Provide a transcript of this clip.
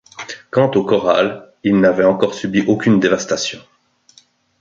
Quant au corral, il n’avait encore subi aucune dévastation